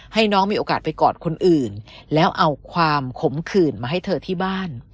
ให้น้องมีโอกาสไปกอดคนอื่นแล้วเอาความขมขื่นมาให้เธอที่บ้าน